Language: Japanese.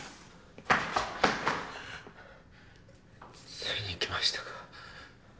ついに来ましたか。